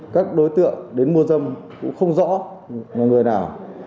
các đối tượng đến mua dâm cũng không rõ là người nào